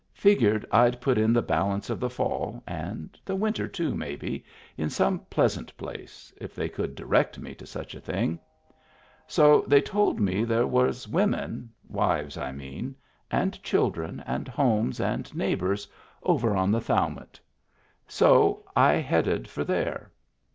Figured I'd put in the balance of the fall — and the winter, too, maybe — in some pleasant place, if they could direct me to such a thing. So they told me there was women — wives, I mean — and children and homes and Digitized by Google WHERE IT WAS 233 neighbors over on the Thowmet. So I headed for there.